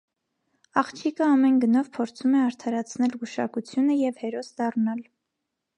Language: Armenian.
Աղջիկը ամեն գնով փորձում է արդարացնել գուշակությունը և հերոս դառնալ։